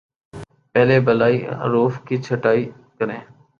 پہلے بالائی حروف کی چھٹائی کریں